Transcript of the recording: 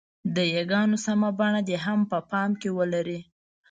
د ی ګانو سمه بڼه دې هم په پام کې ولري.